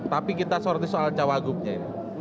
tapi kita sortis soal cawagupnya ya